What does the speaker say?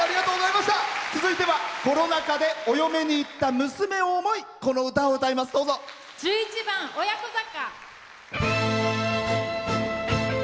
続いてはコロナ禍でお嫁にいった娘を思い１１番「父娘坂」。